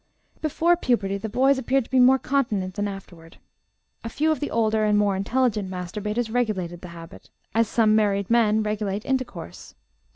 "Before puberty the boys appeared to be more continent than afterward. A few of the older and more intelligent masturbators regulated the habit, as some married men regulate intercourse.